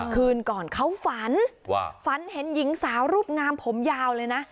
คืนก่อนเขาฝันว่าฝันเห็นหญิงสาวรูปงามผมยาวเลยนะ